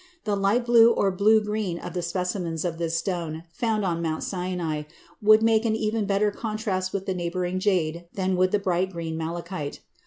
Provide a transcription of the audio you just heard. The light blue or blue green of the specimens of this stone found on Mt. Sinai would make an even better contrast with the neighboring jade than would the bright green malachite.